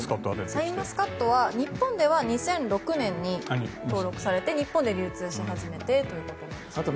シャインマスカットは日本では２００６年に登録されて日本で流通し始めました。